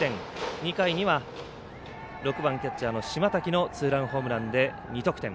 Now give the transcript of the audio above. ２回には６番キャッチャーの島瀧がツーランホームランで２得点。